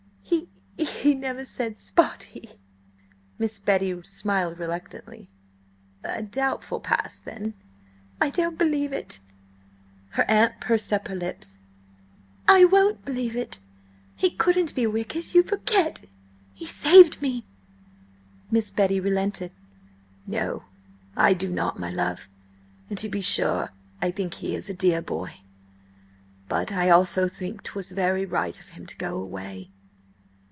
"H he never said–spotty." Miss Betty smiled reluctantly. "A doubtful past, then." "I don't believe it!" Her aunt pursed up her lips. "I won't believe it. He couldn't be wicked. You forget he saved me!" Miss Betty relented. "No, I do not, my love; and, to be sure, I think he is a dear boy, but I also think 'twas very right of him to go away."